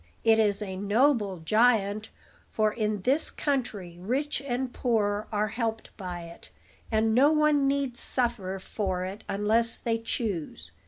It is a noble giant; for in this country rich and poor are helped by it, and no one need suffer for it unless they choose.